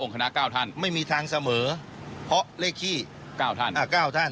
องคณะเก้าท่านไม่มีทางเสมอเพราะเลขที่เก้าท่านอ่าเก้าท่าน